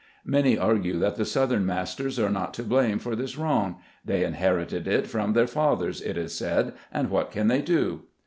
Many argue that the southern masters are not to blame for this wrong ; they inherited it from their fathers, it is said, and what can they do